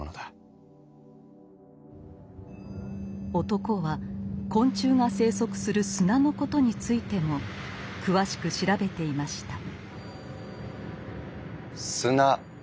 男は昆虫が棲息する砂のことについても詳しく調べていました。